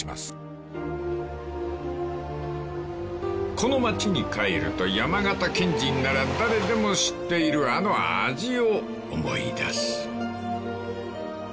［この町に帰ると山形県人なら誰でも知っているあの味を思い出す］